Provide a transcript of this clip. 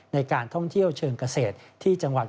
ในการท่องเที่ยวเชิงเกษต